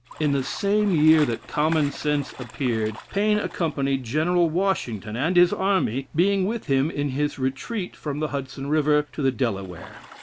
In the same year that "Common Sense" appeared, Paine accompanied General Washington and his army, being with him in his retreat from Hudson River to the Delaware.